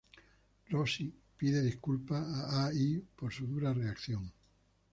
Rosie pide disculpas a Ai por su dura reacción.